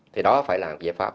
thì đó phải là giải pháp